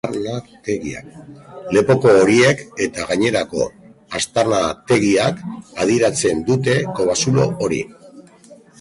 Lepoko horiek eta gainerako aztarnategiak adierazten dute kobazulo hori.